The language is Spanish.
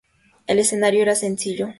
El escenario era sencillo.